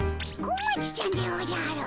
小町ちゃんでおじゃる！